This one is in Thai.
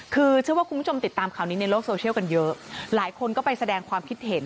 คือเชื่อว่าคุณผู้ชมติดตามข่าวนี้ในโลกโซเชียลกันเยอะหลายคนก็ไปแสดงความคิดเห็น